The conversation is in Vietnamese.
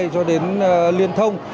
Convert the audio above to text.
cho đến liên thông